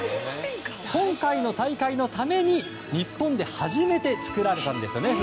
今回の大会のために日本で初めて作られたんですよね。